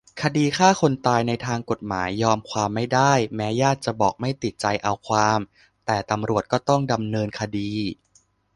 คดีฆ่าคนตาย ในทางกฎหมาย "ยอมความไม่ได้" แม้ญาติจะบอกไม่ติดใจเอาความ แต่ตำรวจก็ต้องดำเนินคดี